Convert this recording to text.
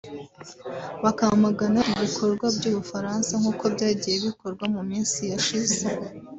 bakamagana ibikorwa by’u Bufaransa nk’uko byagiye bikorwa mu minsi yashize